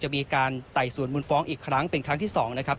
มีการไต่สวนมูลฟ้องอีกครั้งเป็นครั้งที่๒นะครับ